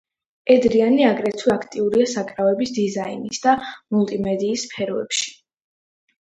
ედრიანი აგრეთვე აქტიურია საკრავების დიზაინის და მულტიმედიის სფეროებში.